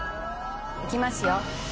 いきますよ。